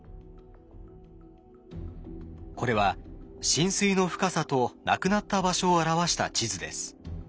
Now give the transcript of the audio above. これは浸水の深さと亡くなった場所を表した地図です。